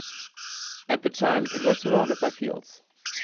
At the time it was surrounded by fields.